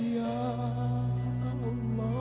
ya allah yang kuanggu